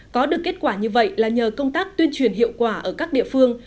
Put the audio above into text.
có được kết quả như vậy là nhờ công tác tuyên truyền hiệu quả ở các địa phương